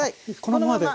このままで。